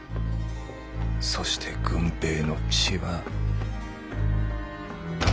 そして「郡平」の血は。